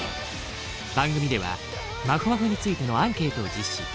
番組ではまふまふについてのアンケートを実施。